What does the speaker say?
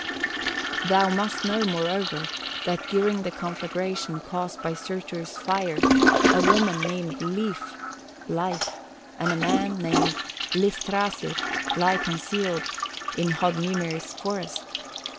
"Thou must know, moreover, that during the conflagration caused by Surtur's fire, a woman named Lif (Life), and a man named Lifthrasir, lie concealed in Hodmimir's forest.